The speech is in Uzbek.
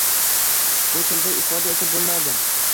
Bu tilda ifoda etib bo‘lmaydi.